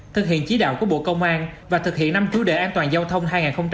thực hiện chí đạo của bộ công an và thực hiện năm cứu đệ an toàn giao thông hai nghìn hai mươi ba